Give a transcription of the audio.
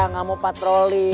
gak mau patroli